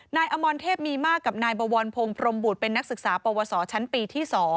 นายอมรเทพมีมากกับนายบวรพงศ์พรมบุตรเป็นนักศึกษาปวสชั้นปีที่๒